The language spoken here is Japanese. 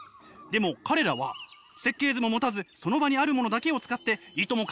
でも彼らは設計図も持たずその場にあるものだけを使っていとも